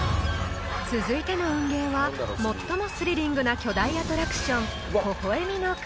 ［続いての運ゲーは最もスリリングな巨大アトラクション］